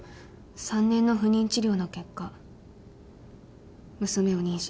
３年の不妊治療の結果娘を妊娠しました。